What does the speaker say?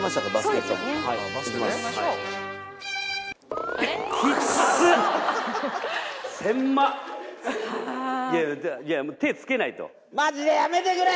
キッツいやもう手つけないとマジでやめてくれ！